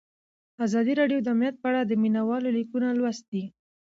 ازادي راډیو د امنیت په اړه د مینه والو لیکونه لوستي.